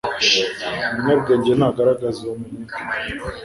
Umunyabwenge ntagaragaza ubumenyi bwe